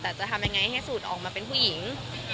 แต่จะทำยังไงให้สูตรออกมาเป็นผู้หญิง